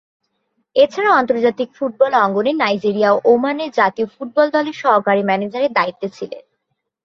এছাড়াও আন্তর্জাতিক ফুটবল অঙ্গনে নাইজেরিয়া ও ওমানের জাতীয় ফুটবল দলের সহকারী ম্যানেজারের দায়িত্বে ছিলেন।